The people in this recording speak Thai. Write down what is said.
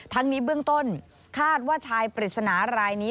ทั้งนี้เบื้องต้นคาดว่าชายปริศนารายนี้